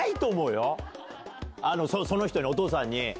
その人お父さんに。